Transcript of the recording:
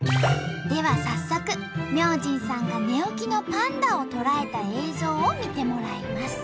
では早速明神さんが寝起きのパンダを捉えた映像を見てもらいます。